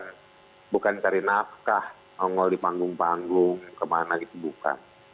saya bukan cari nafkah ongol di panggung panggung kemana gitu bukan